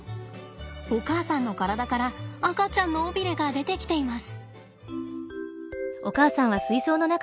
お母さんの体から赤ちゃんの尾ビレが出てきています。